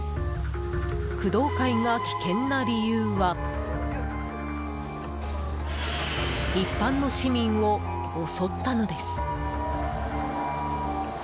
工藤会が危険な理由は一般の市民を襲ったのです。